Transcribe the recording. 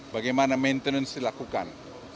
bagaimana maintenance dilakukan